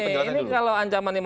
ini kalau ancaman